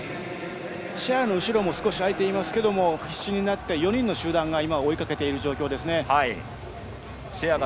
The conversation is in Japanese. シェアの後ろが空いていますが必死になって４人の集団が追いかけている状況です。